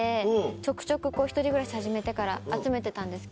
ちょくちょく１人暮らし始めてから集めてたんですけど。